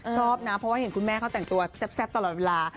ชอบนะเพราะว่าเห็นคุณแม่เขาแต่งตัวแซ่บตลอดเวลา